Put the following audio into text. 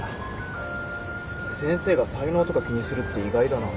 先生が才能とか気にするって意外だな。